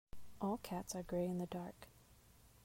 All cats are grey in the dark.